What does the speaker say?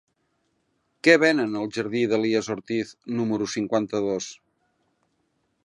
Què venen al jardí d'Elies Ortiz número cinquanta-dos?